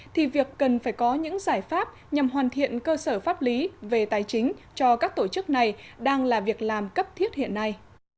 thì việc cần phải có những giải pháp nhằm hoàn thiện cơ sở pháp lý về tài chính cho các tổ chức này đang là việc làm cấp thiết hiện nay